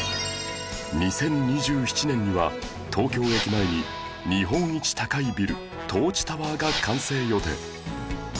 ２０２７年には東京駅前に日本一高いビル ＴｏｒｃｈＴｏｗｅｒ が完成予定